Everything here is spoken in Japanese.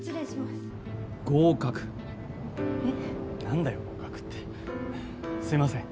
すいません。